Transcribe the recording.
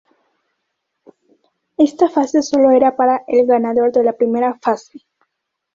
Esta fase solo era para el ganador de la primera fase.